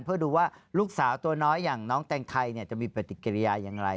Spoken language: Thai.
เพื่อดูว่าลูกสาวตัวน้อยอย่างน้องแตงไทยจะมีปฏิกิริยาอย่างไร